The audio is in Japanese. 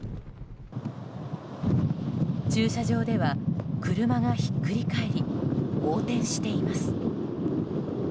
駐車場では車がひっくり返り横転しています。